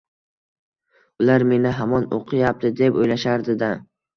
Ular meni hamon o’qiyapti, deb o’ylashardi-da.